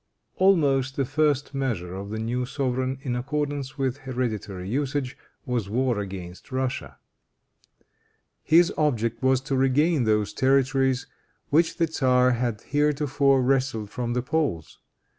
[Footnote 9: See Empire of Austria, page 181.] Almost the first measure of the new sovereign, in accordance with hereditary usage, was war against Russia. His object was to regain those territories which the tzar had heretofore wrested from the Poles.